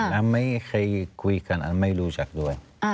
แล้วใครฟังกันอันไม่รู้ชักเลย